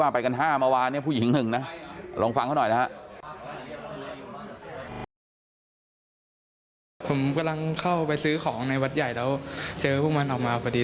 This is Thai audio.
ผมกำลังเข้าไปซื้อของในวัดใหญ่แล้วเจอพวกมันออกมาพอดี